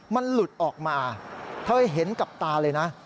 มันหลุดออกมาเธอเห็นกับตาเลยนะ